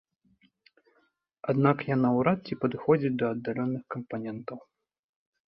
Аднак яна наўрад ці падыходзіць для аддаленых кампанентаў.